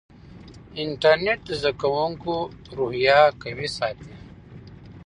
انټرنیټ د زده کوونکو روحیه قوي ساتي.